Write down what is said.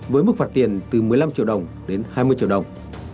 với mức phạt tiền từ một mươi năm triệu đồng đến hai mươi triệu đồng